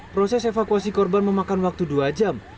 proses evakuasi korban memakan waktu dua jam